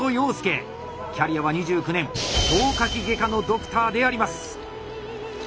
キャリアは２９年消化器外科のドクターであります！